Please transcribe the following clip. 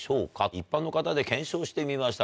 一般の方で検証してみました